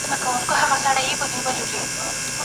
پرله پسې کار کول د هر څېړونکي اصلي دنده ګڼل کېږي.